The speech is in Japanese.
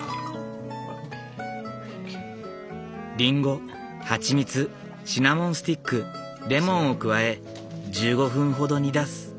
リンゴ蜂蜜シナモンスティックレモンを加え１５分ほど煮出す。